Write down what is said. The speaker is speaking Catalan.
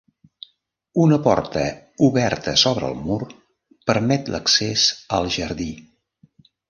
Una porta oberta sobre el mur permet l'accés al jardí.